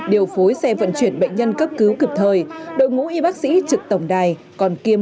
điều phối xe vận chuyển bệnh nhân cấp cứu kịp thời đội ngũ y bác sĩ trực tổng đài còn kiêm